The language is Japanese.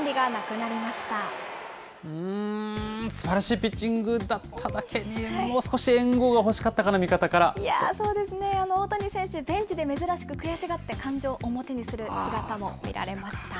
うーん、すばらしいピッチングだっただけに、もう少し援護が欲しかったかいやぁ、そうですね、大谷選手、ベンチで珍しく悔しがって感情を表にする姿も見られました。